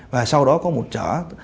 và sau đó có một chở